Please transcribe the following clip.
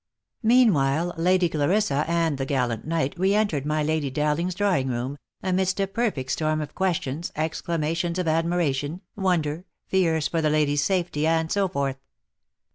Meanwhile Lady Clarissa and the gallant knight re entered my Lady Dowling's drawing room, amidst a perfect storm of questions, exclamations of admiration, wonder, fears for the lady's safety, and so forth.